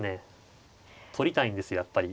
取りたいんですやっぱり。